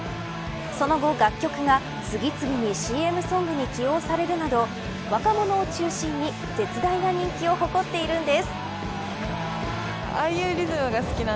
その後、楽曲が次々にＣＭソングに起用されるなど若者を中心に絶大な人気を誇っているんです。